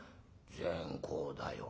善公だよ。